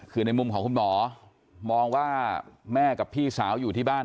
คือในมุมของคุณหมอมองว่าแม่กับพี่สาวอยู่ที่บ้าน